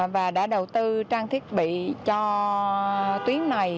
và đã đầu tư trang thiết bị cho tuyến này